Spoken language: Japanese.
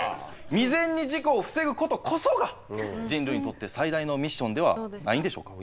未然に事故を防ぐことこそが人類にとって最大のミッションではないんでしょうか。